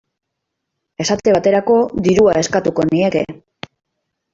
Esate baterako, dirua eskatuko nieke.